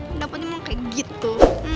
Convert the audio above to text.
kenapa emang kayak gitu